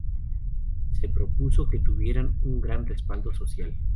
Se propuso que tuviera un gran respaldo social.